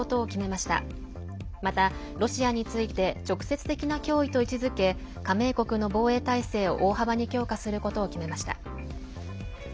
また、ロシアについて直接的な脅威と位置づけ加盟国の防衛態勢を大幅に強化することを決めました。